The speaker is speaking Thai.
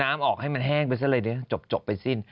มันออกให้มันแห้งไปซะเลยเนี่ยจบจบไปสิ้น